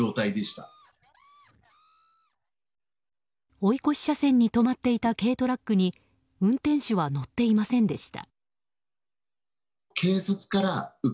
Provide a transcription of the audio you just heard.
追い越し車線に止まっていた軽トラックに運転手は乗っていませんでした。